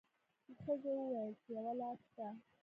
ښځې وویل چې یوه لار شته.